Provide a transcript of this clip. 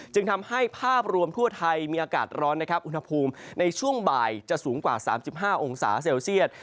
จึงทำให้ภาพรวมทั่วไทยมีอากาศร้อนนะครับอุณหภูมิในช่วงบ่ายจะสูงกว่า๓๕องศาเซลเซียต